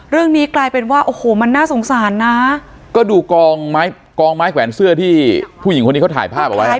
เรื่องนี้กลายเป็นว่าโอ้โหมันน่าสงสารนะก็ดูกองไม้กองไม้แขวนเสื้อที่ผู้หญิงคนนี้เขาถ่ายภาพเอาไว้